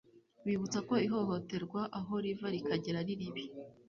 bibutsa ko ihohoterwa aho riva rikagera ari ribi;